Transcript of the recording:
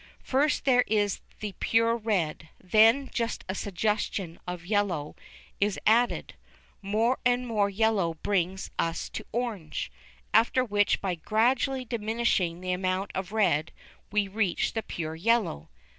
First there is the pure red, then just a suggestion of yellow is added; more and more yellow brings us to orange; after which by gradually diminishing the amount of red we reach the pure yellow.